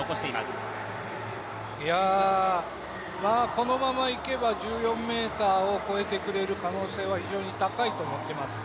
このままいけば１４ｍを超えてくれる可能性は非常に高いと思っています。